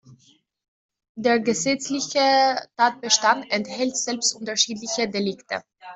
Der gesetzliche Tatbestand enthält selbst unterschiedliche Delikte.